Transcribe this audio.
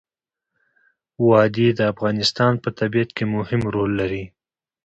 وادي د افغانستان په طبیعت کې مهم رول لري.